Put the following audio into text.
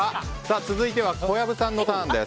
続いては小籔さんの番です。